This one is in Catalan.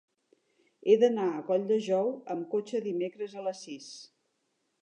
He d'anar a Colldejou amb cotxe dimecres a les sis.